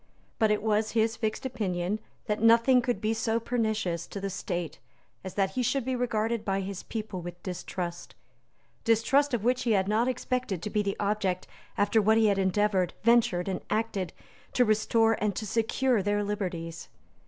But it was his fixed opinion that nothing could be so pernicious to the State as that he should be regarded by his people with distrust, distrust of which he had not expected to be the object after what he had endeavoured, ventured, and acted, to restore and to secure their liberties.